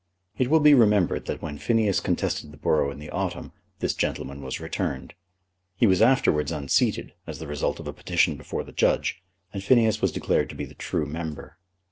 It will be remembered that when Phineas contested the borough in the autumn, this gentleman was returned. He was afterwards unseated, as the result of a petition before the judge, and Phineas was declared to be the true member.